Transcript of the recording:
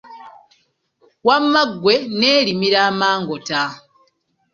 Wamma ggwe ne limira amangota.